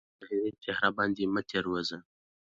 زما ظاهري څهره باندي مه تیروځه